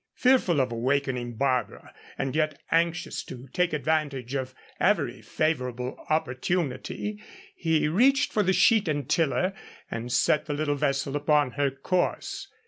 Fearful of awakening Barbara and yet anxious to take advantage of every favorable opportunity, he reached for the sheet and tiller and set the little vessel upon her course.